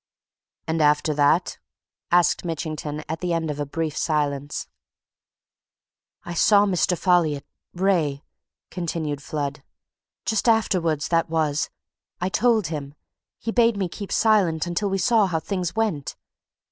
"And after that?" asked Mitchington, at the end of a brief silence. "I saw Mr. Folliot Wraye," continued Flood. "Just afterwards, that was. I told him; he bade me keep silence until we saw how things went.